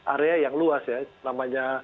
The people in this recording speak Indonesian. area yang luas ya